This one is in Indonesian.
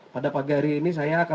pada pagi hari ini saya akan